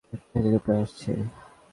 একটা হেলিকপ্টার আসছে!